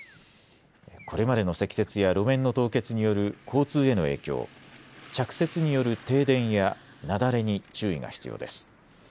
これまでの積雪や路面の凍結による交通への影響、着雪による停電や雪崩に注意が必要です。